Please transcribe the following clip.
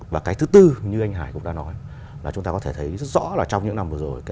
và cái thứ tư như anh hải cũng đã nói là chúng ta có thể thấy rất rõ là trong những năm vừa rồi